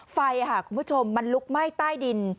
ไฟค่ะคุณผู้ชมมันลุกไหม้ใต้ดิน